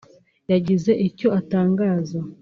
yagize icyo atangaza